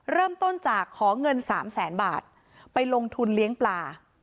เริ่มต้นจากขอเงินสามแสนบาทไปลงทุนเลี้ยงปลา